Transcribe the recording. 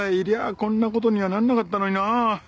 こんな事にはならなかったのになあ。